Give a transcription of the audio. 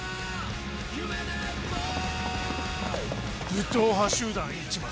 武闘派集団市松。